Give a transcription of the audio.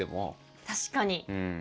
確かに。